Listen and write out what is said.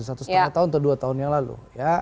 satu setengah tahun atau dua tahun yang lalu